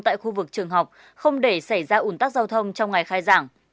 tại khu vực trường học không để xảy ra ủn tắc giao thông trong ngày khai giảng